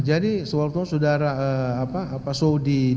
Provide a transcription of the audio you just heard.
jadi soal itu saudara apa apa so di kementerian